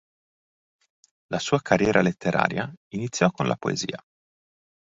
La sua carriera letteraria iniziò con la poesia.